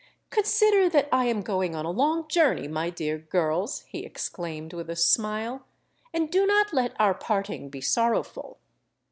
"Consider that I am going on a long journey, my dear girls," he exclaimed, with a smile; "and do not let our parting be sorrowful.